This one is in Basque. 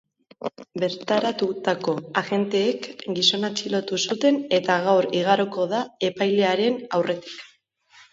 Bertaratutako agenteek gizona atxilotu zuten eta gaur igaroko da epailearen aurretik.